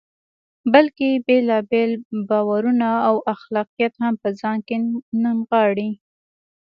بلکې بېلابېل باورونه او اخلاقیات هم په ځان کې نغاړي.